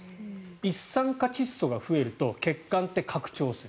一酸化窒素が増えると血管は拡張する。